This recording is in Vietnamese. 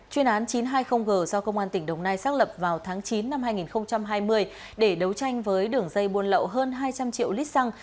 chuyên án chín trăm hai mươi g do công an tỉnh đồng nai xác lập vào tháng chín năm hai nghìn hai mươi để đấu tranh với đường dây buôn lậu hơn hai trăm linh triệu lít xăng